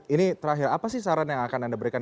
ini terakhir apa sih saran yang akan anda berikan